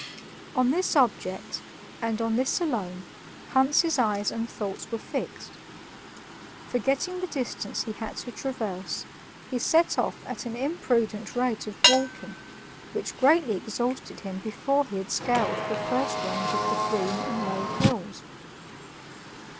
On this object, and on this alone, Hans's eyes and thoughts were fixed. Forgetting the distance he had to traverse, he set off at an imprudent rate of walking, which greatly exhausted him before he had scaled the first range of the green and low hills.